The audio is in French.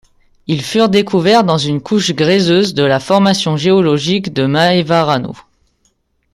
Ils furent découverts dans une couche gréseuse de la formation géologique de Maevarano.